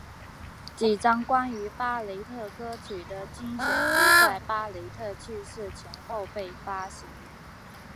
几张关于巴雷特歌曲的精选集在巴雷特去世前后被发行。